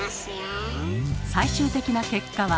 最終的な結果は？